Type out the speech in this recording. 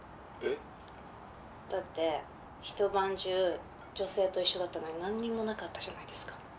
えっ？だって一晩中女性と一緒だったのに何にもなかったじゃないですか。